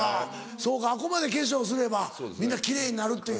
そうかあっこまで化粧すればみんな奇麗になるっていう。